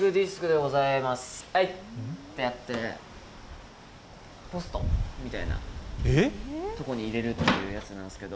はいってやって、ポストみたいなとこに入れるっていうやつなんですけど。